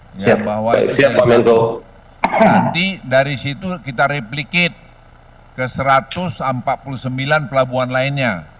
dan bahwa nanti dari situ kita replikit ke satu ratus empat puluh sembilan pelabuhan lainnya